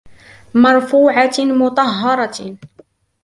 مَّرْفُوعَةٍ مُّطَهَّرَةٍ